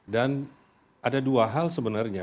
dan ada dua hal sebenarnya